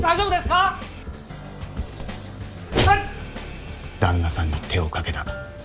うっ旦那さんに手を掛けた。